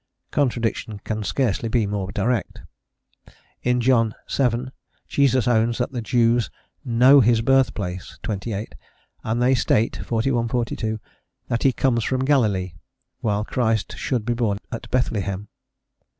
Contradiction can scarcely be more direct. In John vii. Jesus owns that the Jews know his birthplace (28), and they state (41, 42) that he comes from Galilee, while Christ should be born at Bethlehem.